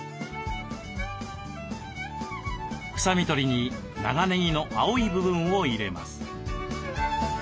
臭み取りに長ねぎの青い部分を入れます。